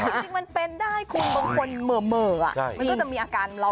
จริงมันเป็นได้คุณบางคนเหม่อมันก็จะมีอาการเรา